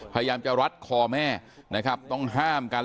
พยายามจะรัดคอแม่นะครับต้องห้ามกัน